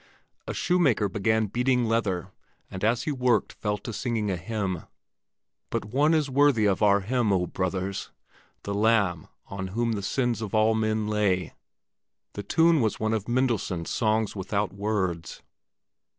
A shoemaker began beating leather, and as he worked fell to singing a hymn— "But One is worthy of our hymn, O brothers: The Lamb on Whom the sins of all men lay." The tune was one of Mendelssohn's "Songs without Words."